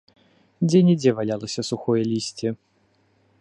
Дзе-нідзе валялася сухое лісце.